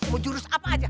mau jurus apa aja